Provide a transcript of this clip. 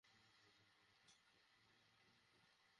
তাঁদের মতে, ব্যবসা টিকিয়ে রাখতে হলে এসব করার কোনো বিকল্প নেই।